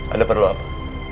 ada perlu apa